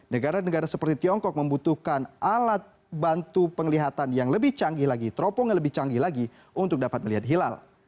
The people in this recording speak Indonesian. negara negara seperti tiongkok membutuhkan alat bantu penglihatan yang lebih canggih lagi teropong yang lebih canggih lagi untuk dapat melihat hilal